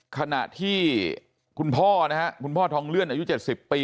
ขณะที่คุณพ่อนะฮะคุณพ่อทองเลื่อนอายุ๗๐ปี